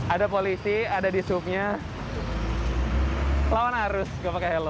ada polisi ada di subnya lawan arus nggak pakai helm